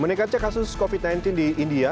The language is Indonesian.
menikah cek kasus covid sembilan belas di india